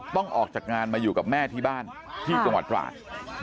ต้องออกจากงานมาอยู่กับแม่ที่บ้านที่จังหวัดตราด